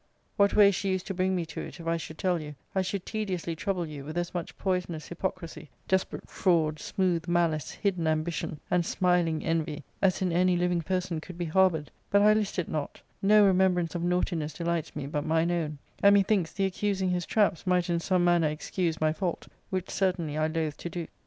What ways she used to bring me to it, if I should tell you, I should tediously trouble you with as much poisonous hypo ^ crisy, desperate fraud, smooth malice, hidden ambition, and smiling envy, as in any living person could be harboured ; but I list it not, no remembrance of naughtiness delights me but mine own, and methinks th^ accusing his traps might in some manner excuse my fault, which certainjy I loathe to do.